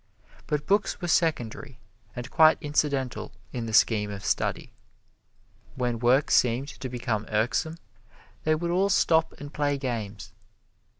But books were secondary and quite incidental in the scheme of study. When work seemed to become irksome they would all stop and play games.